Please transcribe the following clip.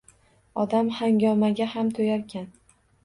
Odam hangomaga ham to`yarkan